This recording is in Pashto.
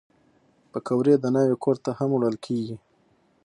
پکورې د ناوې کور ته هم وړل کېږي